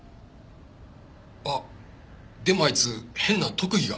あっでもあいつ変な特技が。